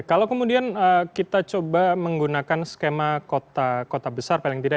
kalau kemudian kita coba menggunakan skema kota kota besar paling tidak